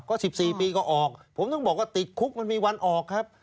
ก็๑๔ปีก็ออกผมต้องบอกว่าติดคุกมันมีวันออกครับ